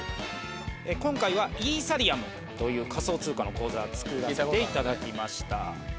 今回はイーサリアムという仮想通貨の口座作らせていただきました。